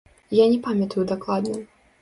Я не памятаю дакладна.